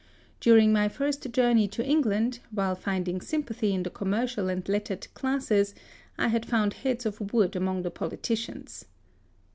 During my first journey to England, while finding sympathy in the commercial and lettered classes, I had found heads of wood among the politicians.